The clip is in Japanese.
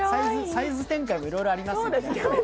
サイズ展開もいろいろありますので。